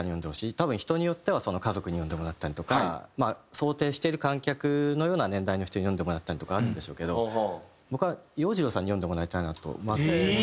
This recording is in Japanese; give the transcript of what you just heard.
多分人によっては家族に読んでもらったりとかまあ想定している観客のような年代の人に読んでもらったりとかあるんでしょうけど僕は洋次郎さんに読んでもらいたいなとまず思って。